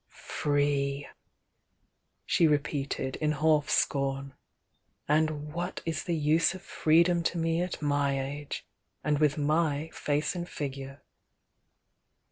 "Free!" she repeated, in sclf scom. "And what is the use of freedom to me at my age! — and with my face and figure!"